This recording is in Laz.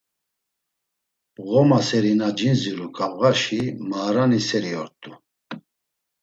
“Ğoma seri na cindziru ǩabğaşi maarani seri ort̆u.”